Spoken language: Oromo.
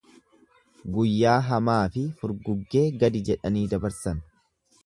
Guyyaa hamaafi furguggee gadi jedhanii dabarsan.